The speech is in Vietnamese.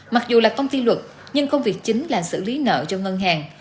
mặc dù là công ty luật nhưng công việc chính là xử lý nợ cho ngân hàng